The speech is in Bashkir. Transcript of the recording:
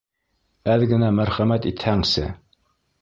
Әҙ генә мәрхәмәт итһәңсе.